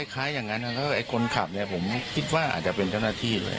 คล้ายอย่างนั้นนะก็ไอ้คนขับผมคิดว่าอาจจะเป็นเจ้าหน้าที่เลย